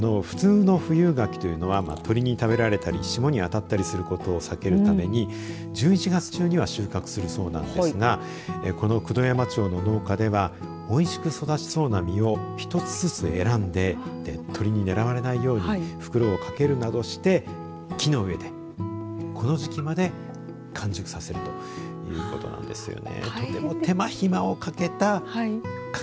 普通の富有柿というのは鳥に食べられたり霜に当たったりすることを避けるために１１月中には収穫するそうなんですがこの九度山町の農家ではおいしく育ちそうな実を１つずつ選んで鳥に狙われないように袋をかけるなどして木の上でこの時期まで完熟させるということなんですよね。